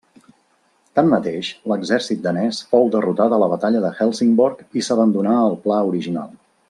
Tanmateix, l'exèrcit danès fou derrotat a la batalla de Helsingborg i s'abandonà el pla original.